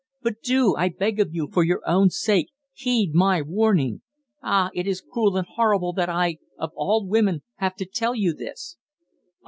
"But do I beg of you for your own sake heed my warning! Ah! it is cruel and horrible that I of all women have to tell you this!"